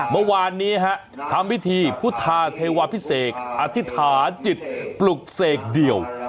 เมื่อวานนี้ทำพิธีพุทธาเทวาพิเศษอธิษฐานจิตปลุกเสกเดี่ยว